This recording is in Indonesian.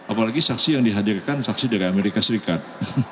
apalagi saksi yang dihadirkan saksi dari amerika serikat